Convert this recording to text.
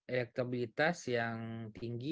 elektabilitas yang tinggi